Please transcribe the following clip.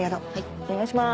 お願いします。